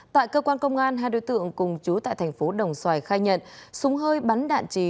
tại cơ quan công an hai đối tượng cùng chú tại thành phố đồng xoài khai nhận súng hơi bắn đạn trì